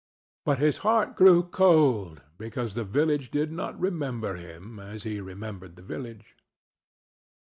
But his heart grew cold because the village did not remember him as he remembered the village.